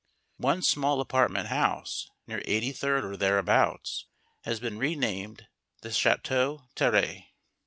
One small apartment house, near Eighty third or thereabouts, has been renamed the Château Thierry.